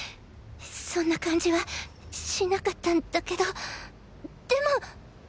そんな感じはしなかったんだけどでも。